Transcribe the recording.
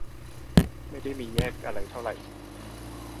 ไม่ได้มีแยกอะไรเท่าไหร่